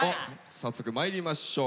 早速まいりましょう。